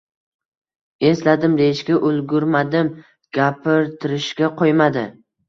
Esladim deyishga ulgurmadim, gapirtirishga qoʻymadi.